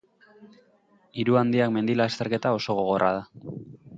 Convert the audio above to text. Hiru handiak mendi-lasterketa oso gogorra da.